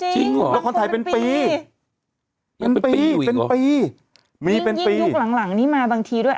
จริงเหรอละครถ่ายเป็นปีเป็นปีเป็นปีมีเป็นปียิ่งยิ่งยุคหลังหลังนี่มาบางทีด้วย